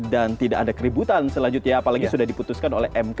dan tidak ada keributan selanjutnya apalagi sudah diputuskan oleh mk